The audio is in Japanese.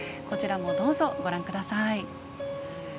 こちらもどうぞご覧ください。